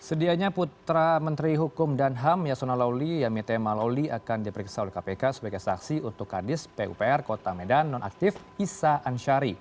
sedianya putra menteri hukum dan ham yasona lawli yamite maloli akan diperiksa oleh kpk sebagai saksi untuk kadis pupr kota medan nonaktif isa ansari